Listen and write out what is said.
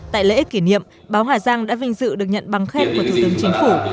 tại lễ kỷ niệm báo hà giang đã vinh dự được nhận băng khét của thủ tướng chính phủ